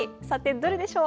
どれでしょう？